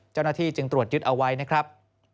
เจ้าหน้าที่จึงตรวจยึดเอาไว้นะครับ